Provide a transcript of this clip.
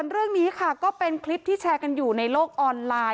เรื่องนี้ค่ะก็เป็นคลิปที่แชร์กันอยู่ในโลกออนไลน์